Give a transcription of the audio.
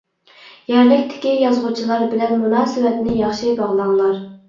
يەرلىكتىكى يازغۇچىلار بىلەن مۇناسىۋەتنى ياخشى باغلاڭلار!